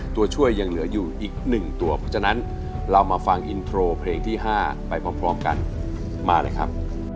ตัวช่วยยังเหลืออยู่อีก๑ตัวเพราะฉะนั้นเรามาฟังอินโทรเพลงที่๕ไปพร้อมกันมาเลยครับ